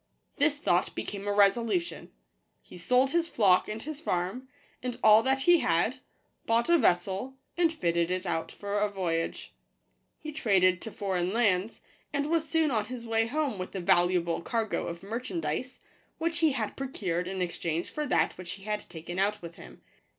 This thought became a resolution : he sold his flock and his farm, and all that he had, bought a vessel, and fitted it out for a voyage. He traded to foreign lands, and was soon on his way home with a valuable cargo of merchandise, which he had procured in exchange for that which he had taken out with him.